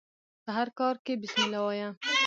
په هر کار کښي بسم الله وايه!